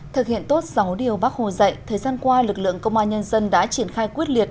thực hiện tốt sáu điều bác hồ dạy thời gian qua lực lượng công an nhân dân đã triển khai quyết liệt